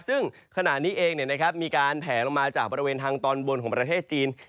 ซึ่งขณะนี้เองมีการแผลลงมาจากบริเวณทางตอนบนของประเทศจีน